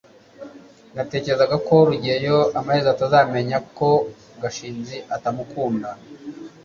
natekerezaga ko rugeyo amaherezo azamenya ko gashinzi atamukunda